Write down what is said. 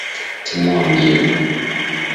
Timua mbio.